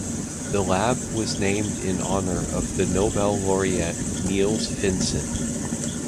The lab was named in honour of the nobel laureate Niels Finsen.